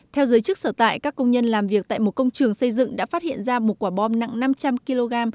theo giới chức sở tại các công nhân làm việc tại một công trường xây dựng đã phát hiện ra một quả bom nặng năm trăm linh kg